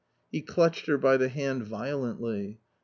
He clutched her by the hand violently.